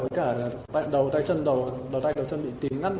với cả đầu tay chân bị tím ngắt